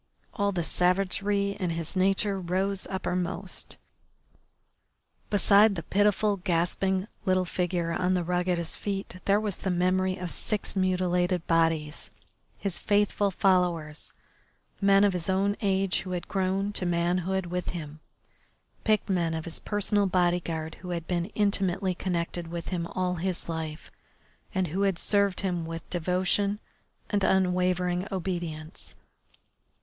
All the savagery in his nature rose uppermost. Beside the pitiful, gasping little figure on the rug at his feet there was the memory of six mutilated bodies, his faithful followers, men of his own age who had grown to manhood with him, picked men of his personal bodyguard who had been intimately connected with him all his life, and who had served him with devotion and unwavering obedience.